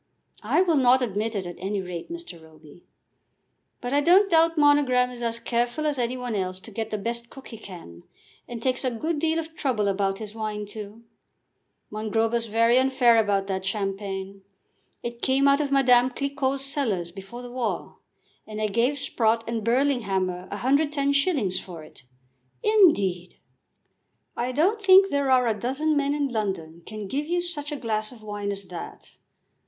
"I will not admit it, at any rate, Mr. Roby." "But I don't doubt Monogram is as careful as any one else to get the best cook he can, and takes a good deal of trouble about his wine too. Mongrober is very unfair about that champagne. It came out of Madame Cliquot's cellars before the war, and I gave Sprott and Burlinghammer 110s. for it." "Indeed!" "I don't think there are a dozen men in London can give you such a glass of wine as that.